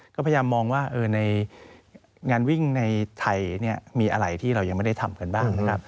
ก็พยายามมองว่าในงานวิ่งในไทยมีอะไรที่เรายังไม่ได้ทำกันบ้างนะครับ